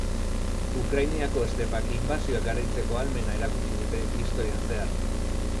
Ukrainiako estepak inbasioak garaitzeko ahalmena erakutsi dute historian zehar.